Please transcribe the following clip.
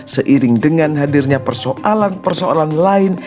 seiring dengan hadirnya persoalan persoalan lain